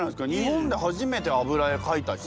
日本で初めて油絵かいた人？